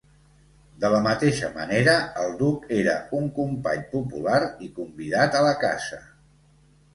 De la mateixa manera, el duc era un company popular i convidat a la casa.